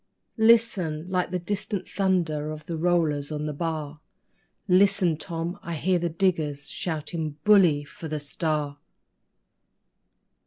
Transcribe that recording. ..... Listen! Like the distant thunder of the rollers on the bar Listen, Tom! I hear the diggers shouting: 'Bully for the STAR!''